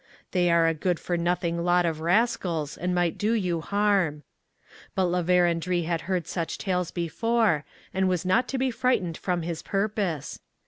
They are a good for nothing lot of rascals and might do you harm.' But La Vérendrye had heard such tales before and was not to be frightened from his purpose.